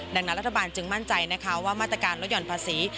ดังนั้นรัฐบาลจึงมั่นใจนะคะว่ามาตรการลดห่อนภาษี